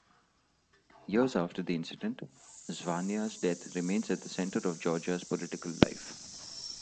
Years after the incident, Zhvania's death remains at the center of Georgia's political life.